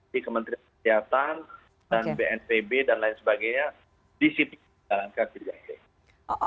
dari kementerian kesehatan dan bnpb dan lain sebagainya disiplin menjalankan terjaga